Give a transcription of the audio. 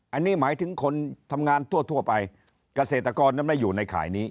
อันนี้หมายถึงคนทำงานทั่วไปเกษตรกรนั้นไม่อยู่ในข่ายนี้